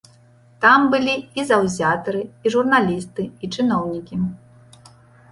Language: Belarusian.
Там былі і заўзятары, і журналісты, і чыноўнікі.